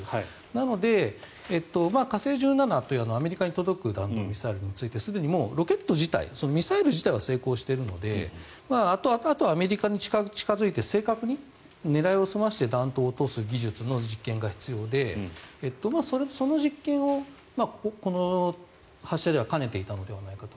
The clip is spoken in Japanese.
なので、火星１７というアメリカに届く弾道ミサイルについてすでにロケット自体ミサイル自体は成功しているのであとはアメリカに近付いて正確に狙いを澄まして弾頭を落とす技術の実験が必要でその実験をこの発射では兼ねていたのではないかと。